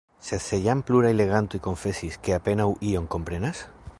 Sed se jam pluraj legantoj konfesis, ke apenaŭ ion komprenas?